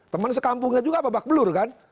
teman sekampungnya juga pak bak blur kan